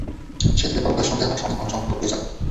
সেই থেকে ফারুক ভাইয়ের সঙ্গে আমার অনেক ভালো সম্পর্ক হয়ে যায়।